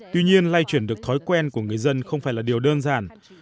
tuy nhiên lay chuyển được thói quen của người dân không phải là điều đơn giản